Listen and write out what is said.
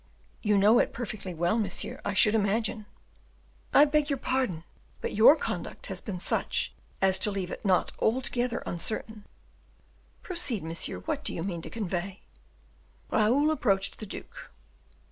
"You know it perfectly well, monsieur, I should imagine." "I beg your pardon, but your conduct has been such as to leave it not altogether certain." "Proceed, monsieur, what do you mean to convey?" Raoul approached the duke.